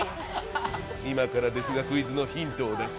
今から、ですがクイズのヒントを出す。